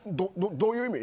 どういう意味？